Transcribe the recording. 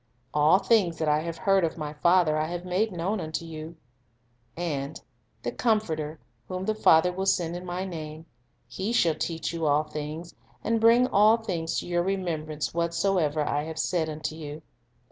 "All things that I have heard of My Father I have made known unto you." And "the Comforter ... whom the Father will send in My name, He shall teach you all things, and bring all things to your remembrance, whatsoever I have said unto you."